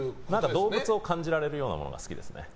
動物を感じられるようなものが好きですね。